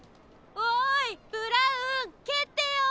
おいブラウンけってよ！